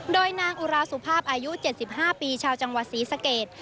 โดยนางอุราสุภาพอายุ๗๕ปีชาวจังหวัดศรีสเกต